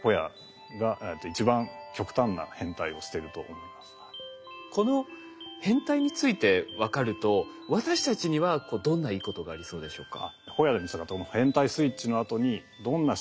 そうですねもうこの変態について分かると私たちにはどんないいことがありそうでしょうか？